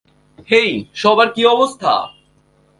হেই, সবার কী অবস্থা?